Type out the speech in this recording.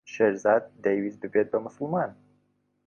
شێرزاد دەیویست ببێت بە موسڵمان.